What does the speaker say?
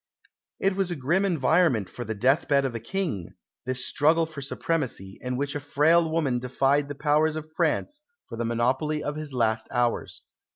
It was a grim environment for the death bed of a King, this struggle for supremacy, in which a frail woman defied the powers of France for the monopoly of his last hours.